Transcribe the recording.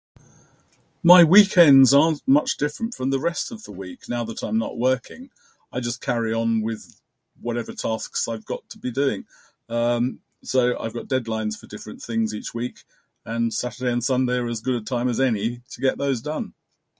My weekends aren't much different from the rest of the week, now that I'm not working. I just carry on with whatever tasks I've got to be doing. Um, so I've got deadlines for different things each week, and Saturday and Sunday are as good a time as any to get those done.